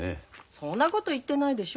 そんなこと言ってないでしょ。